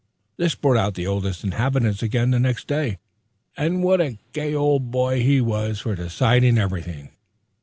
This brought out the Oldest Inhabitant again the next day and what a gay old boy he was for deciding everything!